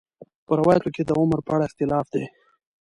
په روایاتو کې د عمر په اړه اختلاف دی.